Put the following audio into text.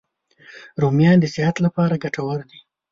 رومیان د صحت لپاره ګټور دي